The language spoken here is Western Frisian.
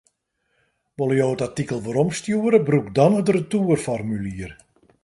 Wolle jo it artikel weromstjoere, brûk dan it retoerformulier.